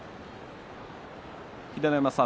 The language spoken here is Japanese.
秀ノ山さん